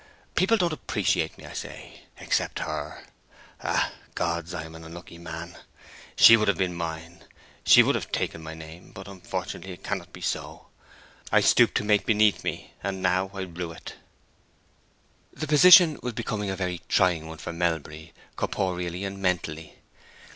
People don't appreciate me, I say, except her! Ah, gods, I am an unlucky man! She would have been mine, she would have taken my name; but unfortunately it cannot be so. I stooped to mate beneath me, and now I rue it." The position was becoming a very trying one for Melbury, corporeally and mentally.